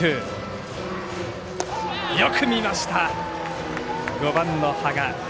よく見ました、５番の垪和。